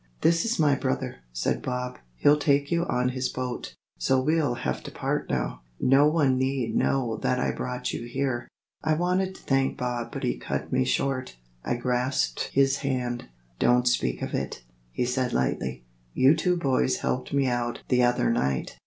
"This is my brother," said Bob; "he'll take you on his boat. So we'll have to part now; no one need know that I brought you here." I wanted to thank Bob but he cut me short. I grasped his hand. "Don't speak of it," he said lightly, "you two boys helped me out the other night.